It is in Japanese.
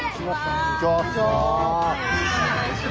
よろしくお願いします。